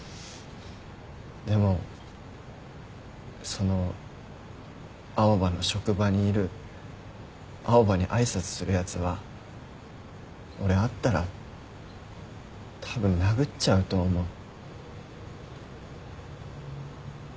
でもその青羽の職場にいる青羽に挨拶するやつは俺会ったらたぶん殴っちゃうと思う。